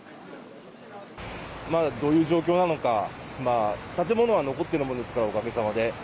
まだどういう状況なのか、建物は残ってるものですから、おかげさまで。